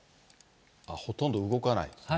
ほとんど動かないですね。